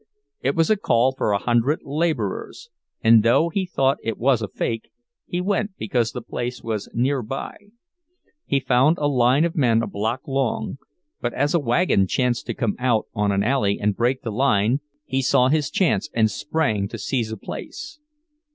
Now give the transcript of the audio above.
It was a call for a hundred laborers, and though he thought it was a "fake," he went because the place was near by. He found a line of men a block long, but as a wagon chanced to come out of an alley and break the line, he saw his chance and sprang to seize a place.